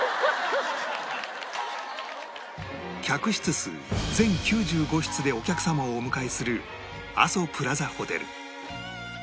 客室数全９５室でお客様をお迎えする阿蘇プラザホテル